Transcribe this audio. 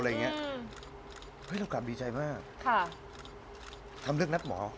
เฮ้ยต้องกลับดีใจมากค่ะทำเรื่องนัดหมอ